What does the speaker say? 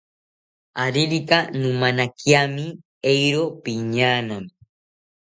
Aririka nomanakiami, eero piñaanami